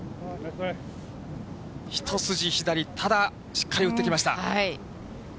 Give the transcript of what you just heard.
一筋左、ただ、しっかり打ってきました。